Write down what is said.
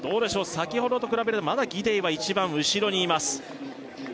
先ほどと比べるとまだギデイは一番後ろにいます